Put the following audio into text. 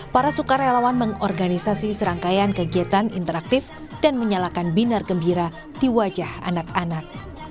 para sukarelawan mengorganisasi serangkaian kegiatan interaktif dan menyalakan binar gembira di wajah anak anak